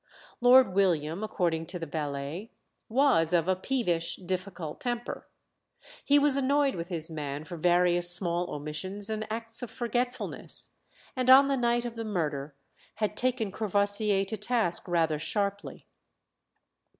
Lord William, according to the valet, was of a peevish, difficult temper; he was annoyed with his man for various small omissions and acts of forgetfulness, and on the night of the murder had taken Courvoisier to task rather sharply.